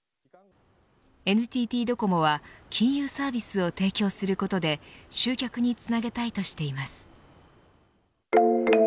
ＮＴＴドコモは金融サービスを提供することで集客につなげたいとしています。